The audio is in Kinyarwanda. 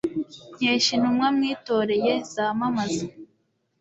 nkesha intumwa witoreye, zamamaza